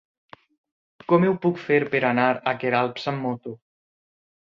Com ho puc fer per anar a Queralbs amb moto?